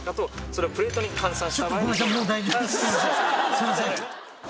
すいません